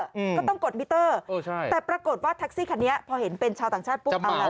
ก็ต้องกดมิเตอร์แต่ปรากฏว่าทักซี่คันนี้พอเห็นเป็นชาวต่างชาติ